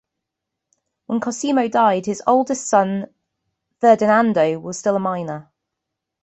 When Cosimo died, his oldest son, Ferdinando, was still a minor.